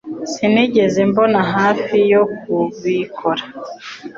Sinigeze mbona hafi yo kubikora